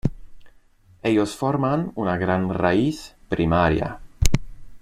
Ellos forman una gran raíz primaria.